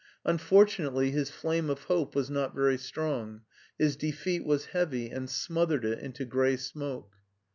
Unfortunately, his flame of hope was not very strong: his defeat was heavy and smothered it into gray smoke.